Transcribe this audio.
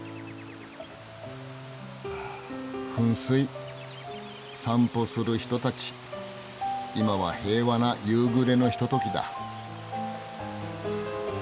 あ噴水散歩する人たち今は平和な夕暮れのひとときだ。